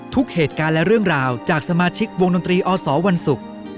ทุกเหตุการณ์และเรื่องราวจากสมาชิกวงดนตรีอสวันศุกร์